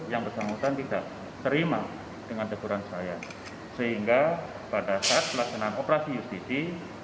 yang bersangkutan tidak terima dengan teguran saya sehingga pada saat pelaksanaan operasi justisi